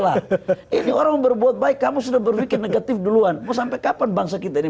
lah ini orang berbuat baik kamu sudah berpikir negatif duluan mau sampai kapan bangsa kita ini